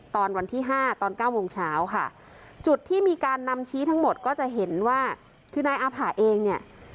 ตอนที่ห้าตอนเก้าโมงเช้าค่ะจุดที่มีการนำชี้ทั้งหมดก็จะเห็นว่าคือนายอาผ่าเองเนี่ย